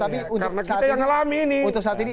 tapi untuk saat ini